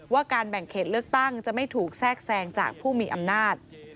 การแบ่งเขตเลือกตั้งจะไม่ถูกแทรกแทรงจากผู้มีอำนาจ